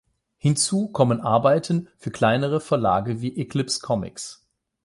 Hinzu kommen Arbeiten für kleinere Verlage wie Eclipse Comics.